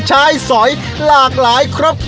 ใช้สอยหลากหลายครบ